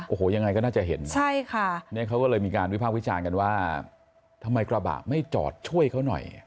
โอ้โหยังไงก็น่าจะเห็นใช่ค่ะเนี่ยเขาก็เลยมีการวิภาควิจารณ์กันว่าทำไมกระบะไม่จอดช่วยเขาหน่อย